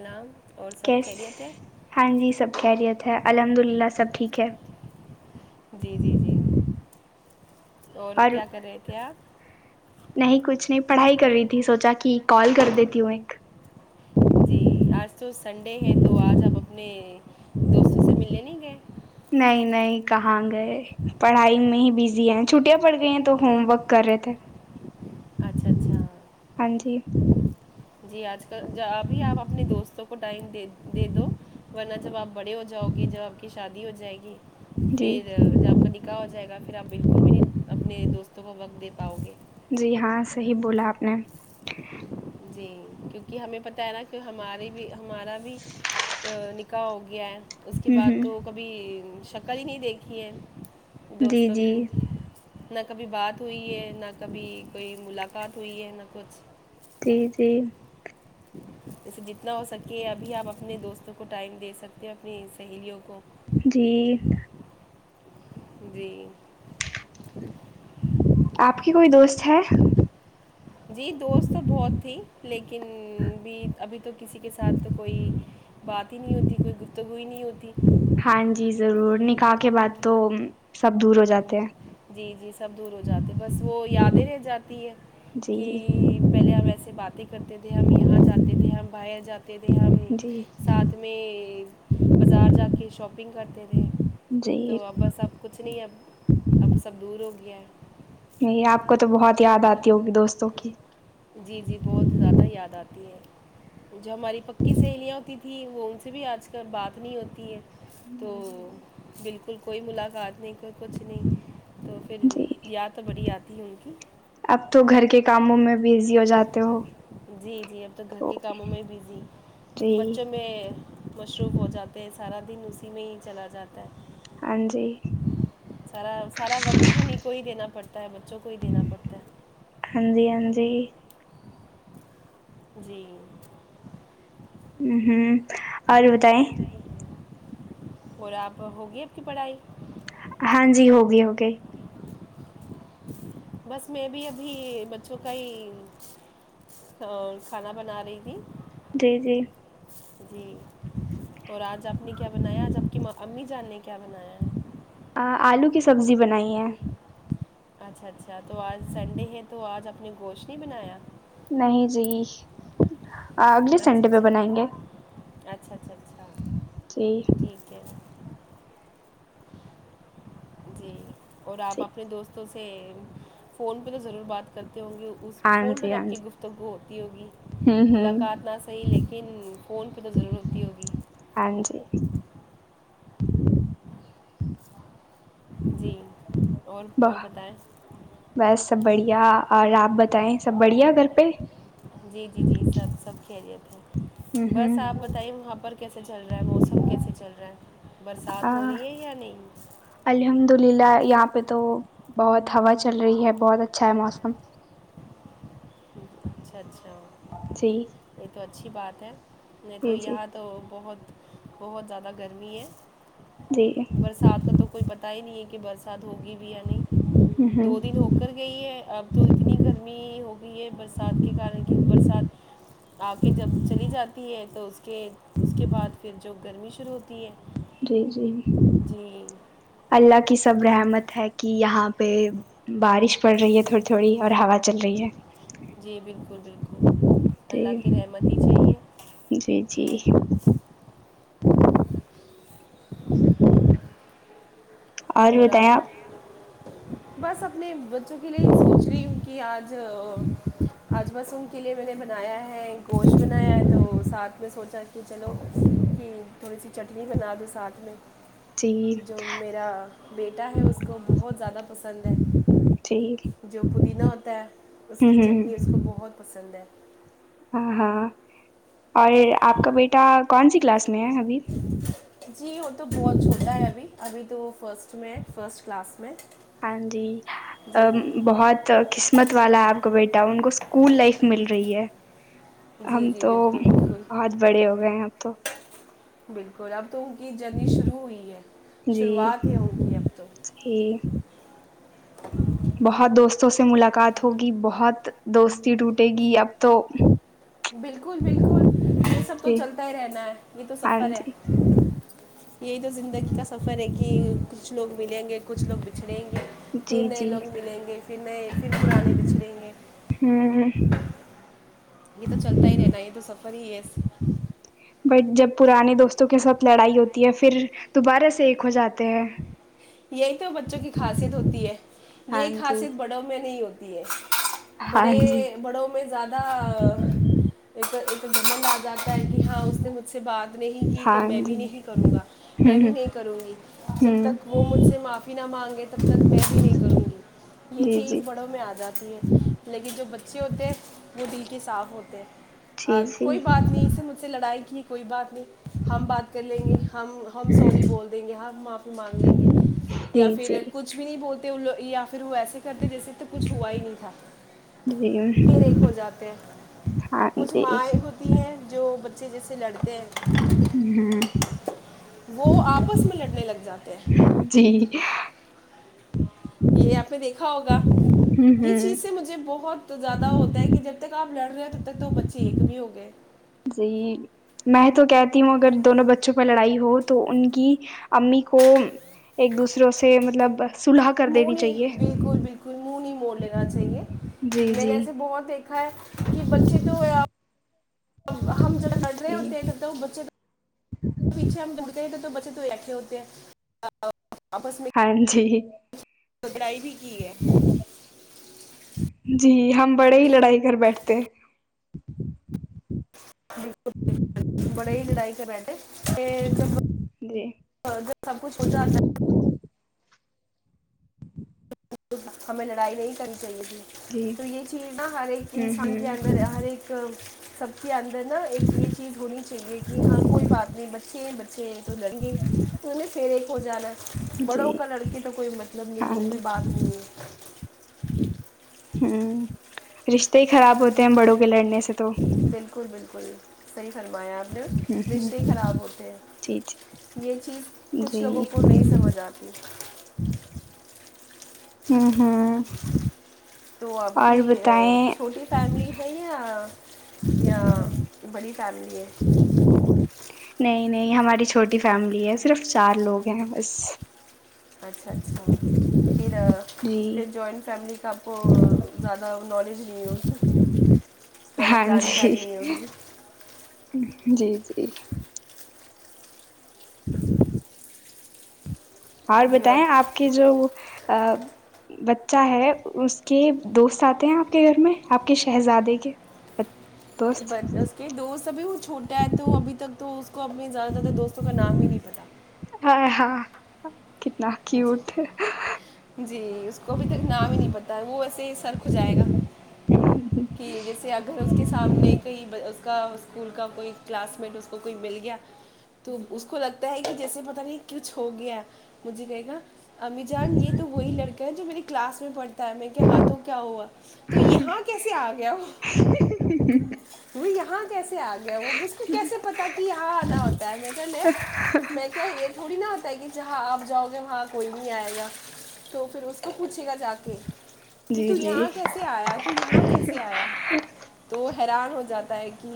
نام اور سب کیس خیریت ہے ہاں جی سب خیریت ہے الحمد للہ سب ٹھیک ہے جی جی جی اور کیا کر رہے تھے آپ نہیں کچھ نہیں پڑھائی کر رہی تھی سوچا کہ کال کر دیتی ہوں ایک جی آج تو سنڈے ہیں تو آج آپ اپنے دوستوں سے ملنے نہیں گئے نہیں نہیں کہاں گئے پڑھائی میں ہی بزی ہیں چھٹیاں پڑ گئی ہیں تو ہوم ورک کر رہے تھے اچھا اچھا ہاں جی جی آج کل ابھی آپ اپنے دوستوں کو ٹائم دے دے دو ونچ بابپ بڑے ہو جاؤ گی ج آ کی شادی ی ہو جائے گی جی پھر جب آپ کا نکاح ہو جائے گا پھر آپ بالکل بھی نہیں اپنے دوست تو وہ وقت دی پاؤ گے جی ہاں صحیح بولا آپ نے جی کیونکہ ہمیں پت ہے نا کی ہماری بھی تارا بھی ا کاؤ گیا ہے اس کے ہ ہ بعد تو کبھی چکر ہی نہیں دیکھی ہے جی دوستوں جی کی کبھی بات ہوئی ہے نہ کبھی کوئی ملاقات ہوئی ہے نہ کچھ جی جی اسے جتنا ہو سکے ابھی آپ اپنے دوستوں کو ٹائم دے سکتے ہیں اپنی سہیلیوں کو جی جی آپ کی کوئی دوست ہے جی دوست تو بہت تھی لگے لیکن بھی ابھی تو کسی کے ساتھ کوئی بات ہی نہیں ہوتی کوئی گفتگو ہی نہیں ہوتی ہاں جی ضرور نکاح کے بعد تو سب دور ہو جاتے ہیں جی جی سب دور ہو جاتے بس وہ یاد رہ جاتے ہے جی کہ پہلے ہم ایسے باتیں کرتے تھے ہم یہاں جاتے تھے ہم با جات [unintelligible] تھے ہم جی ساتھ میں بازار جا کے شاپنگ کرتے تھے جی تو اب بس اب کچھ نہیں ہےب دور ہو گیا نہیں آپ کو تو بہت یاد آتی ہوگی دوستوں کی جی جی بہت زیادہ یاد جو ہماری پکی سہیلیاں ہوتی تھیں وہ ان سے بھی آج کل بات نہیں ہوتی ہے تو ہ جی بالکل کوئی ملاقات نہیں کر کچھ تو پھر جی یاد تو بڑی آتی ہے ان کی اب تو گھر کے کاموں میں بزی ہو جاتے ہو جی جی اب تو گھر کے کاموں میں ہی بزی جی بچوں میں مصروف ہو جاتے ہیں س سارا دن اسی میں ہی چلا جاتا ہاں جی ہے سارا سارا وقت انہی کو ہی دینا پڑتا چاہے بچوں کو ہی دینا پڑتا ہے ہاں جی ہاں جی جی ہ ہوں اور بتایے اور آپ ہوگی آپ کی پڑھائی ہاں جی ہوگی ہو گی بس میں بھی ابھی بچوں کا ہی کھانا بنا رہی تھی جی جی جی اور آج آپ نے کیا بنایا آج آپ کی امی جاننے کی کیا بنا آلو کی سبزی بنائی ہے اچھا اچھا تو آج سنڈے ہے تو آج اپ نے گوشت نہیں بنایا نہیں جی اگلے اچھا سنڈے پہ اچھا بنائیں گے اچھا اچھا اچھا جی ٹھیک ہے جی اور آپ جی اپنے دوست تو سے فون پہ تو ضرور بات کر ہوں گے اس ہاں فون میں جی تو ہاں آپ کی جی گفتگو ہوتی ہوگی ہ ہ ملاقات کاٹنا صحی لیکن فون پہ تو ضرور ہوتی ہوگی ہاں جی جی اور ب اور بتائیں بس سب بڑھیا اور آپ بتائیں سب بڑھیا گھر پہ جی جی جی سب سب خیریے بس آپ ہ بتائیے وہاں پر کیسے چل رہا ہے موسم کیسے چل رہا ہے برسات ہ ہو رہی ہے یا نہیں الحمد للہ یہاں پہ تو بہت ہوا چل رہی ہے بہت اچ اچھا ہے موسم اچھا اچھا جی تو اچھی بات ہے نہیں تو جی جی یہاں تو بہت بہت زیادہ گرمی ہے جی برسات کا تو کوئی پتا ہی نہیں ہے برسات ہوگی بھی یعنی ہ دو دن ہو کر گئی ہے اب تو اتنی گرمی ہو گئی ہے بس کے کارن کی برسات آ کے جب چلی جاتی ہے تو اس کے اس کے بعد پھر جو گرمی شروع ہوتی ہے جی جی جی اللہ کی سب رحمت ہے کہ کہ یہاں پہ بارش پڑ رہی ہے تھوڑی تھوڑی اور ہوا چل رہی ہے جی بالکل بالکل اللہ کی تو رحمت ہی چاہیے جی جی [unintelligible] اور اپ نے بس اپنے بچوں کے لیے یہ سوچ رہی ہوں کہ آج آج بس کے لیے میں نے بنایا ہے ہے گوشت بنایا ہے تو ساتھ میں سوچا کہ چلو کہ تھوڑی سی چٹنی بنا دو ساتھ میں جی جو میرا بیٹا ہے اس کو بہت زیادہ پسند ہے جی جو پودینہ ہوتا ہے اس ہ کی چٹنی ہ اس کو بہت پسند ہے ہاں ہاں اور آپ کا بیٹا کون سی کلاس میں ہے ابھی جی وہ تو بہت چھوٹا ہے ابھی ابھی تو فرسٹ میں ہے فرسٹ کلاس میں ہاں جی جی بہت قسمت والا ہے آپ کا بیٹا ان کو اسکول لائف مل رہی رہی ہے جی ہم جی تو بالکل بالکل بہت بڑے ہو گئے ہیں اب تو بالکل اب تو کی جرنی شروع ہوئی ہے جی شروعات ہے ان کی اب تو جی بہت دوست دوستوں سے ملاقات ہوگی بہت دوستی ٹوٹے گی اب تو بالکل بالکل یہ سب تو جی چلتا ہی رہتا ہے یہ تو ہاں سفر ہے جی یہی تو زندگی کا سفر ہے کہ کچھ لوگ ملیں گے کچھ لوگ بچھڑیں گے پھر جی نئے جی لوگ ملیں گے پھر نئے پھر پرانے بچھڑیں گے ہوں یہ تو چلتا ہی رہنا یہ تو سفر ہی ہے بٹ جب پرانے دوستوں کے ساتھ لڑائی ہوتی ہے پھر دوبارہ سے ایک ہو جاتے ہیں یہی تو بچوں کی خاصیت ہوتی ہے ہاں یہی جی خاصیت بڑوں میں نہیں ہوتی پی ایس ہاں بڑے جی بڑوں میں زیادہ جمنند آ جاتا ہے کہ ہاں اس نے مجھ سے بات نہیں کی تو ہاں میں بھی جی نہیں کروں گا میں ہوں بھی ہ نہیں کروں گی جب ہوں تک وہ مجھ سے معافی نہ مانگے تب تک میں بھی نہیں کروں گی یہ جی چیز جی بڑوں میں آ جاتی ہے لیکن جو بچے ہوتے ہیں وہ دل کے صاف ہوتے جی اور کوئی جی بات نہیں اسے مجھ سے لڑائی کہ کوئی بات ہم بات کر لیں گے ہم ہم سوری بول دیں گے ہم معافی مانگ لیں گے یا جی جی پھر کچھ بھی نہیں بہ تو لگ یا پھر وہ ایسے کرتے جیسے تو کچھ ہوا ہی نہیں تھا جی پھر ایک ہو جاتے ہیں ہاں کچھ جی ماں ایک ہوتی ہیں جو چیس لڑ ہ وہ آپس میں لڑنے لگ جاتے ہیں جی یہ آپ نے دیکھا ہوگا ہ یہ ہ چیز سے مجھے بہت زیادہ ہوتا ہے کہ جب تک آپ لڑ رہے ہو تب تک تو بچے ایک بھی ہوگئے لے جی میں تو کہتی ہوں اگر دونوں بچوں پر لڑائی ہو تو ان کی امی کو ایک دوسروں سے مطلب صلح کر منہ دینی چاہیے نہیں بالکل بالکل منہ نہیں مڑ لینا چاہیے جی میں نے جی ایسے بہت دیکھا ہے کہ بچے تو ہم ج لڑ رہے ہیں اور جی تیرتے وہ بچے پیچھے ہم لڑتے تو بچے تو ھے ہوتے ہیں ہاں جی تو بڑائی بھی ٹھیک ہے جی ہم بڑے ہی لڑائی کر بیٹھتے ہیں بالکل بک بڑے ہی لڑائی کرے تھ ج جی ج سب کچھ ہو جاتا ہے ہمیں لڑائی نہیں کرنی چاہیے تھی جی تو یہ چیز نا ہر ایک ہوں انسان کے اندر ہوں ہر ایک سب چی آد نا ایک یہ چیز ہونی چاہیے کہ ہاں کوئی بات نہیں بچے بچے تو ڈر گے تویں پھر ایک ہو جا بڑو جی کا لڑکی تو کوئی مطلب نہیں ہاں نہیں جی پدنی ہوں رشتے ہی خراب ہوتے ہیں بڑوں کے لڑنے سے تو بالکل بالکل کوئی سی فرمایا آپ نے ہوں ہوں رشتے ہی خراب ہوتے جی جی ہیں یہ چیز کچھ لوگوں جی کو نہیں سمجھ آتی ہوں ہوں تو آپ اور کی بتائیں چھوٹی فیملی ہے یا یا بڑی چمے نہیں نہیں ہماری چھوٹی فیملی ہے صرف چار لوگ ہیں بس اچھا اچھا پھر جی پھر جوائنٹ فیملی کا آپ زیادہ نالج نہیں ہوتی زیادہ ہاں جی جانکاری نہیں ہوگ جی جی [inaudible] اور بتائیں آپ کی جو بچہ ہے اس کے دوست آتے ہیں آپ کے گھر میں آپ کے شہزادے کے دوست اس کے دوست ابھی وہ چھوٹے ہے تو ابھی تک تو اس کو اپنے زیادہ تردر دوستوں کا نام ہی نہیں پتا ہاں ہاں کتنا کیوٹ جی اس کو ابھی تک نام ہی نہیں پتا وہ ویسے ہی سر ک جائے گا کہ جیسے اگر اس کے سامنے کہئی اس کا اسکول کا کوئی کلاس میٹ اس کو کوئی مل گیا تو جی اس کو لگتا ہے کہ جیسے پت نہیں کچھ ہو گیا مجھے گئے گا امی جان یہ تو وہی لڑکا ہے جو میرے کلاس میں پڑھتا ہے میرے کے ہاتھوں کیا ہوا تو یہاں کیسے آ گیا وہ وہ ہاں کہسے آ گیا وہ اس کو کیسے پتا کہ ہاں آنا ہوتا ہے میں کہ میں کیا یہ تھوڑی نا ہوتا ہے کہ جہاں آ جاؤ گے وہاں کوئی نہیں آئے گا تو پھر اس کو پوچھے گا جا کے کہ جی تو جی یہاں کیسے آیا تو یہاں کیسے آیا تو حیران ہو جاتا ہے کہ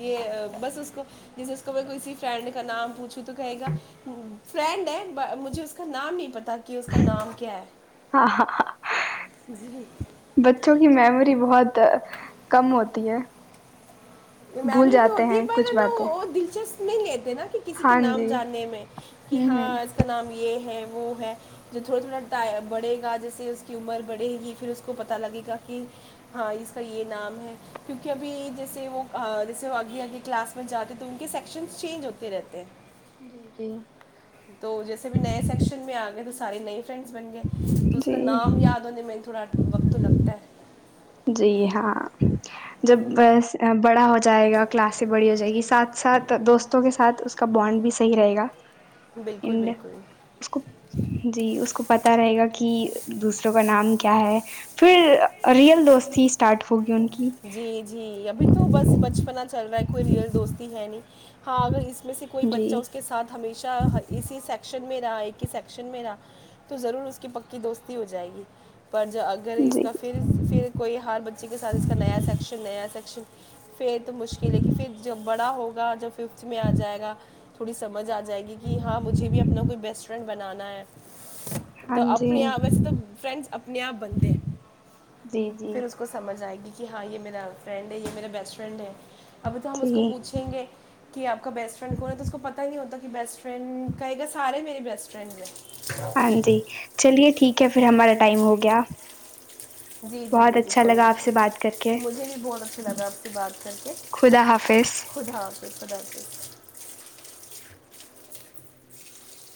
یہ بس اس کو جیسے اس کو میں کسی فرینڈ کا نام پوچھوں تو کہے گا فرینڈ ہے مجھے اس کا نام نہیں پتا کہ اس کا نام کیا ہے ہاں ہاں جی بچوں کی میمی بہت کم ہوتی ہے بھول میمی تو جاتے ہوتی ہے ہیں پر کچھ نا باتیں وہ دلچسپ نہیں لیتے نا کہ کسی کے ہاں نام جی جاننے میں کہ ہ ہاں ہ اس کا نام یہ ہے وہ ہے جو تھوڑا تھوڑا بڑھے گا جیسے اس کی عمر بڑھے گی پھر اس کو پتہ لگے گا کہ ہاں اس کا یہ نام ہے کیونکہ ابھی جیسے وہ جیسے وہ آگے آگے کلاس میں جاتے تو ان کے سیکشن چینج ہوتے رہتے ہیں جی جی تو جیسے بھی نئے سیکشن میں آ گئے تو سارے نئے ف بن گئے تو اس کا جی نام یاد ہونے میں تھوڑا وقت تو لگتا ہے جی ہاں جب بڑا ہو جائے گا کلاسیں بڑی ہو جائے گی ساتھ ساتھ دوستوں کے ساتھ اس کا بانڈ بھی صحیح رہے گا بالکل اڈ بالکل اس کو جی اس کو پتا رہے گا کہ دوسروں کا نام کیا ہے پھر رت دوست ہی اسٹارٹ ہوگی ان جی جی ابھی تو بس بچپنا چل رہا ہے کوئی ریئل دوستی ہے نہیں ہاں اگر اس میں سے کوئی بچہ جی اس کے ساتھ ہمیشہ اسی سیکشن رہا ایک ہی سشن میں رہا تو ضرور اس کی پکی دوستی ہو جائے گی پر اگر اس جی کا پھر پھر کوئی ہر بچی کے ساتھ سشن نیا سشن پھر تو مشکل ہے کہ پھر جب بڑا ہوگا جب ففتھ میں آ جائے گا تھوڑی سمجھ آ جائے گی کہ ہاں مجھے بھی اپنا کوئی بیسٹ فرینڈ بنانا ہے ہاں تو جی اپنے آپ ویسے تو فرینڈس اپنے آپ بنتے ہیں جی جی پھر اس کو سمجھ آئے گی کہ ہاں یہ میرا فرینڈ ہے یہ میرا بیسٹ فرینڈ ہے ابھی تو ہم اس کو جی پوچھیں گے کہ آپ کا بیسٹ فرینڈ کون ہے تو اس کو پتہ نہیں ہوتا کہ بیسٹ فرنڈ کہے گا سارے میرری بیسٹ فرینڈ ہیں ہاں جی چلیے ٹھیک ہے پھر ہمارا ٹائم ہو گیا جی جی بہت جی جی اچھا کوئی لگا آپ سے بات کر کے نہیں مجھے بھی بہت اچھا لگا آپ سے بات کر کے خدا حافظ خدا کو پر ڈاکٹ